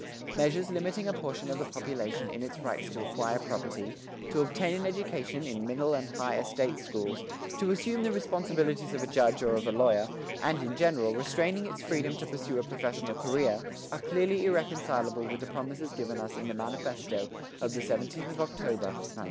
Measures limiting a portion of the population in its rights to acquire property, to obtain an education in middle and higher state schools, to assume the responsibilities of a judge or of a lawyer, and, in general, restraining its freedom to pursue a professional career are clearly irreconcilable with the promises given us in the manifesto of the 17th of October, 1906.